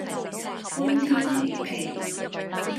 歡天喜地